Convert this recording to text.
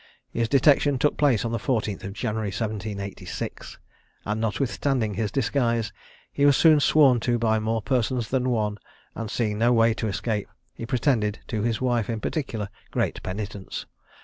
His detection took place on the 14th of January, 1786; and notwithstanding his disguises, he was soon sworn to by more persons than one; and seeing no way to escape, he pretended, to his wife in particular, great penitence.